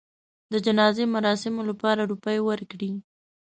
د جنازې مراسمو لپاره روپۍ ورکړې.